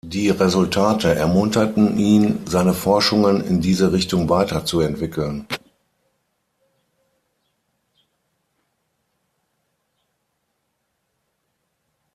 Die Resultate ermunterten ihn, seine Forschungen in diese Richtung weiterzuentwickeln.